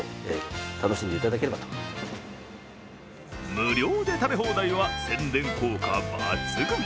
無料で食べ放題は宣伝効果抜群。